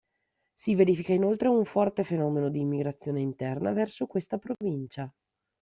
Si verifica inoltre un forte fenomeno di immigrazione interna verso questa provincia.